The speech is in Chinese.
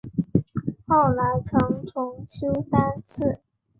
后来曾重修三次。